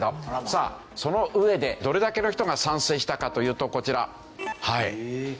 さあその上でどれだけの人が賛成したかというとこちら。